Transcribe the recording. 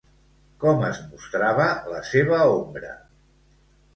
Com es mostrava la seva ombra?